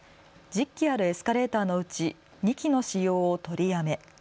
１０基あるエスカレーターのうち２基の使用を取りやめ。